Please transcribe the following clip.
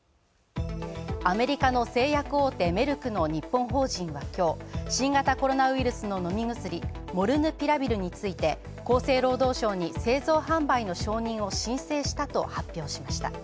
アメリカの製薬大手メルクの日本法人は今日新型コロナウイルスの飲み薬「モルヌピラビル」について厚生労働省に製造販売の承認を申請したと発表しました。